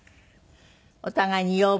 お互いに要望。